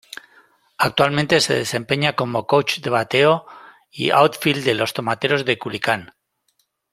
Actualmente se desempeña como coach de bateo y outfield de los Tomateros de Culiacán.